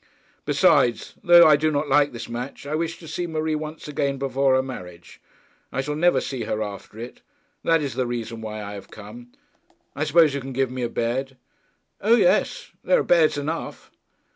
'Besides, though I do not like this match, I wish to see Marie once again before her marriage. I shall never see her after it. That is the reason why I have come. I suppose you can give me a bed.' 'O, yes, there are beds enough.'